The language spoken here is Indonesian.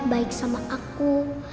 baik sama aku